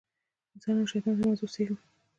د انسان او شیطان تر منځ اوسېږم.